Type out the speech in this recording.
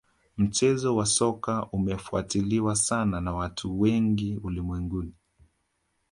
mchezo wa soka unafuatiliwa sana na watu wengi ulimwenguni